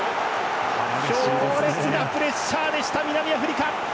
強烈なプレッシャーでした南アフリカ！